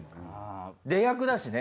出役だしね。